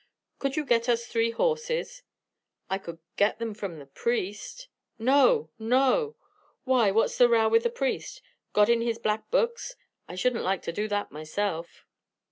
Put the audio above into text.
Could you get us three horses?" "I could get them from the priest " "No! no!" "Why, what's the row with the priest? Got in his black books? I shouldn't like to do that myself."